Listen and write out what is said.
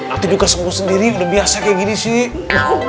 nanti juga semua sendiri udah biasa kayak gini sih